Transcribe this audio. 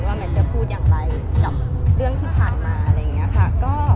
ว่าแม่ดจะพูดอย่างไรกับเรื่องที่ผ่านมา